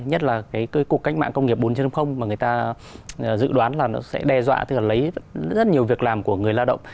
nhất là cuộc cách mạng công nghiệp bốn mà người ta dự đoán sẽ đe dọa lấy rất nhiều việc làm của người lao động